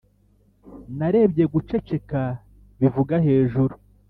narebye guceceka bivuga hejuru